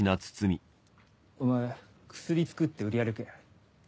お前薬作って売り歩け。